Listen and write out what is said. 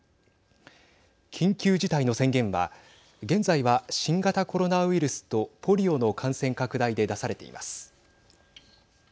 緊急事態の宣言は現在は、新型コロナウイルスとポリオの感染拡大で出されています。